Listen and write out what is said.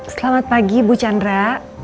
selamat pagi bu chandra